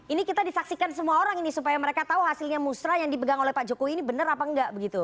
ini kita disaksikan semua orang ini supaya mereka tahu hasilnya musrah yang dipegang oleh pak jokowi ini benar apa enggak begitu